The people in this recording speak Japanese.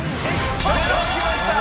０きました。